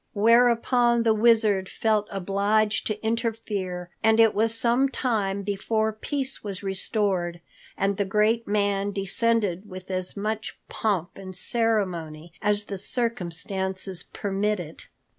Whereupon the Wizard felt obliged to interfere and it was some time before peace was restored and the great man descended with as much pomp and ceremony as the circumstances permitted.